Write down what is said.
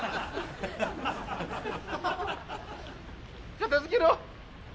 片づけろ。